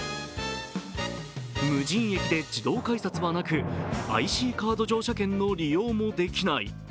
無人駅で自動改札はなくＩＣカード乗車券の利用もできない。